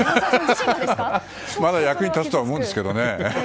まだ役に立つとは思うんですけどね。